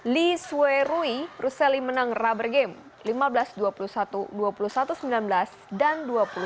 dua ribu dua belas li suerui roseli menang rubber game lima belas dua puluh satu dua puluh satu sembilan belas dan dua puluh satu delapan belas